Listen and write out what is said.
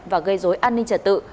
và gây dối an ninh trật tự